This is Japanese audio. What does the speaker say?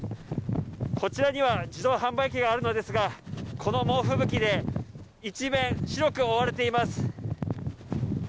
こちらには自動販売機があるのですがこの猛吹雪で一面、白く覆われています。